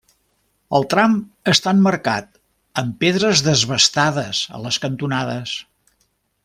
El tram està emmarcat amb pedres desbastades a les cantonades.